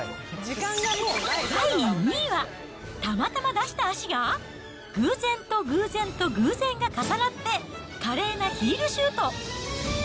第２位は、たまたま出した足が偶然と偶然と偶然が重なって、華麗なヒールシュート！